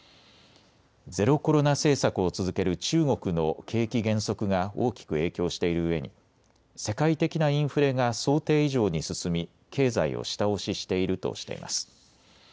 ゼロコロナ政策を続ける中国の景気減速が大きく影響しているうえに世界的なインフレが想定以上に進み経済を下押ししているとしています。